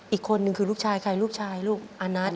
อีกคนนึงคือลูกชายใครลูกชายลูกอานัท